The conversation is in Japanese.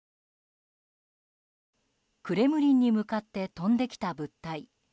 クレムリンに向かって飛んできた物体。